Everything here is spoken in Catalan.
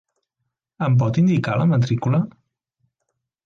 Em pot indicar la matrícula?